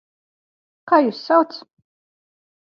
Kā jūs sauc?